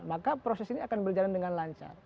maka proses ini akan berjalan dengan lancar